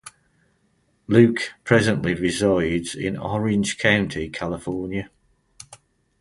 Luke presently resides in Orange County, California.